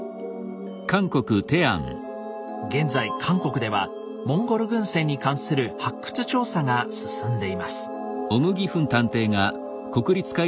現在韓国ではモンゴル軍船に関する発掘調査が進んでいます。